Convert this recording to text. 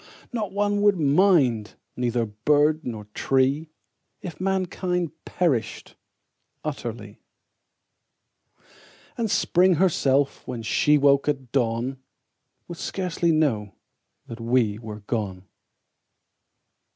Not one would mind, neither bird nor tree If mankind perished utterly; And Spring herself, when she woke at dawn, Would scarcely know that we were gone.